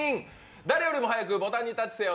誰よりも早くボタンにタッチせよ！